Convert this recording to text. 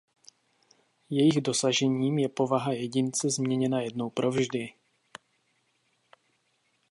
Jejich dosažením je povaha jedince změněna jednou provždy.